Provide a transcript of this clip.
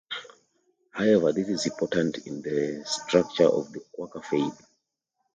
However this is important in the structure of the Quaker faith.